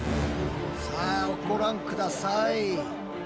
さあご覧下さい。